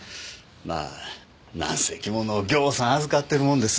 まあなんせ着物をぎょうさん預かってるもんです